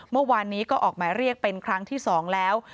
เมื่อวานนี้ก็ออกหมายเรียกเป็นครั้งที่๒แล้ว